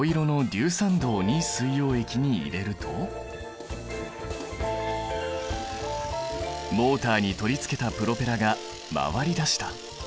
モーターに取り付けたプロペラが回り出した。